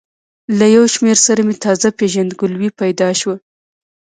له یو شمېر سره مې تازه پېژندګلوي پیدا شوه.